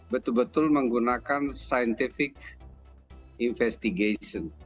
betul betul menggunakan scientific investigation